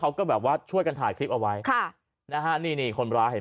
เขาก็แบบว่าช่วยกันถ่ายคลิปเอาไว้ค่ะนะฮะนี่นี่คนร้ายเห็น